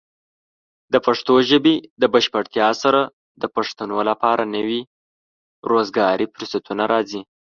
د پښتو ژبې د بشپړتیا سره، د پښتنو لپاره نوي روزګاري فرصتونه راځي.